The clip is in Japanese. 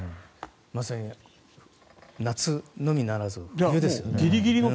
まさに夏のみならず冬ですよね。